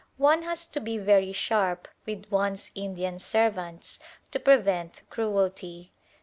One has to be very sharp with one's Indian servants to prevent cruelty.